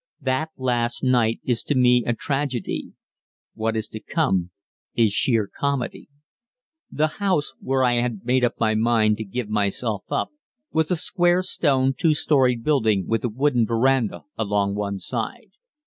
That last night is to me a tragedy. What is to come is sheer comedy. The house where I had made up my mind to give myself up was a square stone two storied building with a wooden veranda along one side.